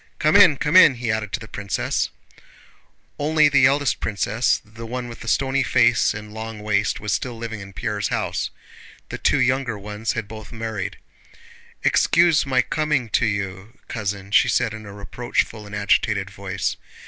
"Come in, come in!" he added to the princess. Only the eldest princess, the one with the stony face and long waist, was still living in Pierre's house. The two younger ones had both married. "Excuse my coming to you, cousin," she said in a reproachful and agitated voice.